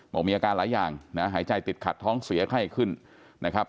บอกมีอาการหลายอย่างนะหายใจติดขัดท้องเสียไข้ขึ้นนะครับ